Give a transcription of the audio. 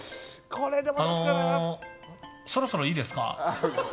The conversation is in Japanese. あの、そろそろいいですか？